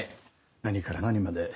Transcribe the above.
何から何まで。